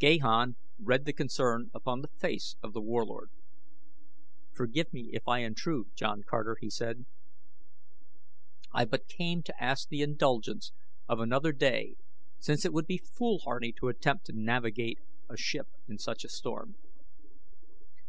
Gahan read the concern upon the face of The Warlord. "Forgive me if I intrude, John Carter," he said. "I but came to ask the indulgence of another day since it would be fool hardy to attempt to navigate a ship in such a storm."